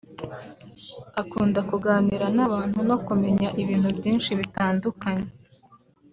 akunda kuganira n’abantu no kumenya ibintu byinshi bitandukanye